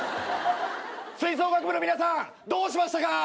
吹奏楽部の皆さんどうしましたか？